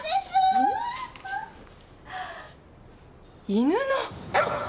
犬の。